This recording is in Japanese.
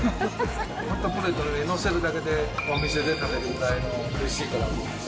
ホットプレートに載せるだけで、お店で食べるぐらいの、おいしいから。